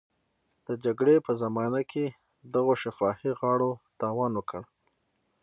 د جګړې په زمانه کې دغو شفاهي غاړو تاوان وکړ.